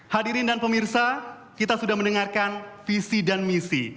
hadirin dan pemirsa kita sudah mendengarkan visi dan misi